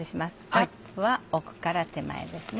ラップは奥から手前ですね。